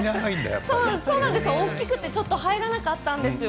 大きくて入らなかったんですよ。